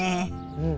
うん。